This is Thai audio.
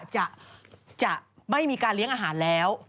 จะไม่มีการเลี้ยงอาหารแล้ว